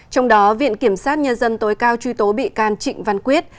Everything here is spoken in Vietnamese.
trong đó viện kiểm sát nhân dân tối cao truy tố bị can trịnh văn quyết